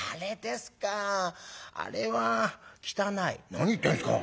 「何言ってんですか！